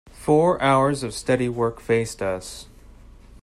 Four hours of steady work faced us.